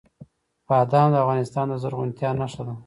بادام د افغانستان د زرغونتیا نښه ده.